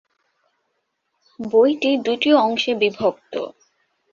বইটি দুই অংশে বিভক্ত।